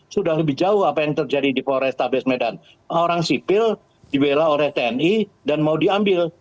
sudah lebih jauh apa yang terjadi di polrestabes medan orang sipil dibela oleh tni dan mau diambil